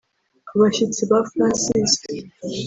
abashyitsi ba Francis